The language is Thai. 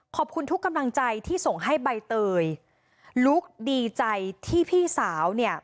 ขอบคุณทุกกำลังใจที่ส่งให้ใบเตยลุกดีใจที่พี่สาวเนี่ย